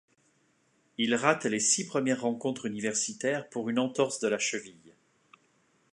Il rate les six premières rencontres universitaires pour une entorse de la cheville.